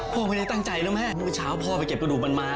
พ่อไม่ได้ตั้งใจนะแม่เมื่อเช้าพ่อไปเก็บกระดูกมันมา